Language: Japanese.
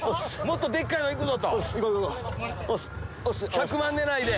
１００万狙いで。